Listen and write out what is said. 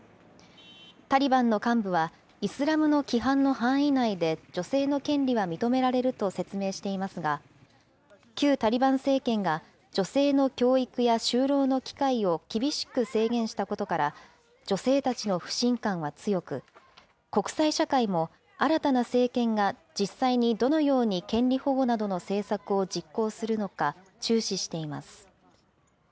タリバンの幹部はイスラムの規範の範囲内で女性の権利は認められると説明していますが、旧タリバン政権が女性の教育や就労の機会を厳しく制限したことから、女性たちの不信感は強く、国際社会も新たな政権が実際にどのように権利保護などの政策を実行するのか注視しています。